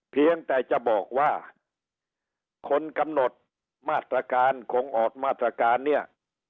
เพียงแต่จะบอกว่าคนกำหนดมาตรการคงออกมาตรการเนี่ย